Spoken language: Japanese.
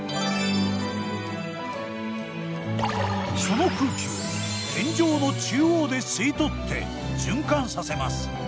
その空気を天井の中央で吸い取って循環させます。